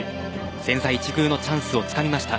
千載一遇のチャンスをつかみました。